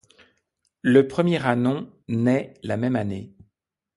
Le premier ânon naît la même année.